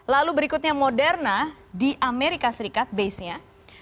lalu berikutnya moderna di amerika serikat base nya